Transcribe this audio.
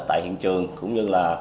tại hiện trường cũng như là